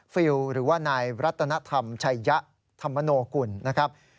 ฟิลหรือว่านายรัตนธรรมชัยยะธรรมโนกุลนะครับ